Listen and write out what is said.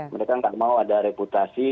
mereka tidak mau ada reputasi